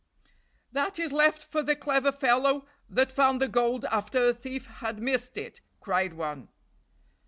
"That is left for the clever fellow that found the gold after a thief had missed it," cried one.